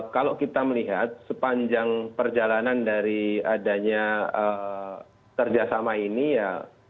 kalau kita melihat sepanjang perjalanan dari adanya kerjasama ini ya